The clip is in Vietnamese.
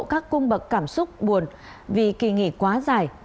các cung bậc cảm xúc buồn vì kỳ nghỉ quá dài